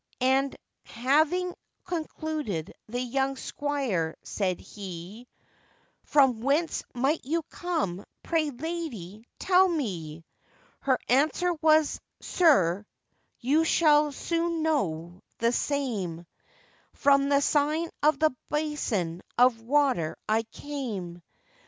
And having concluded, the young squire said he, 'From whence might you come, pray, lady, tell me?' Her answer was, 'Sir, you shall soon know the same, From the sign of the basin of water I came.